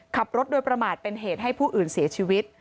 ขับรถโดยประมาทเป็นเหตุให้ผู้อื่นเสียชีวิต